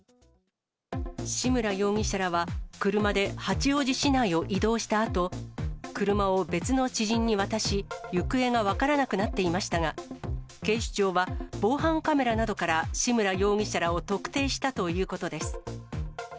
志村容疑者らは、車で八王子市内を移動したあと、車を別の知人に渡し、行方が分からなくなっていましたが、警視庁は防犯カメラなどから、志村容疑者らを特定したということです。